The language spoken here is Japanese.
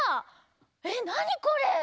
えっなにこれ？